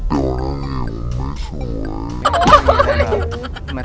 พูดแต่ละคำ